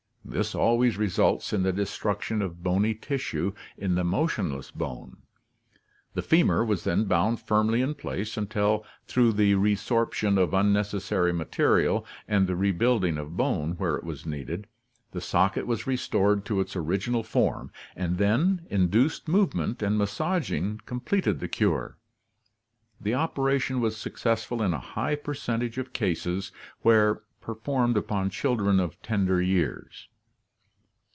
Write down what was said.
This always results in the destruction of bony tissue in the motionless bone. The femur was then bound firmly in place until through the resorption of unnecessary material and the rebuilding of bone where it was needed, the socket was restored to its original form, and then induced movement and massaging com pleted the cure. The operation was successful in a high percentage of cases where performed upon children of tender years.